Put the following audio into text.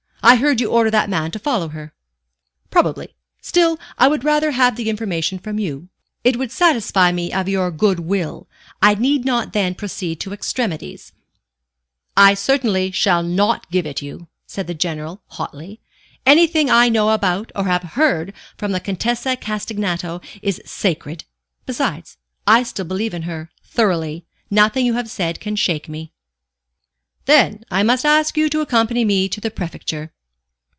I heard you order that man to follow her." "Probably; still I would rather have the information from you. It would satisfy me of your good will. I need not then proceed to extremities " "I certainly shall not give it you," said the General, hotly. "Anything I know about or have heard from the Contessa Castagneto is sacred; besides, I still believe in her thoroughly. Nothing you have said can shake me." "Then I must ask you to accompany me to the Prefecture.